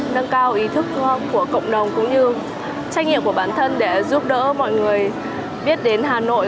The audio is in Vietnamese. nâng cao ý thức của cộng đồng cũng như trách nhiệm của bản thân để giúp đỡ mọi người biết đến hà nội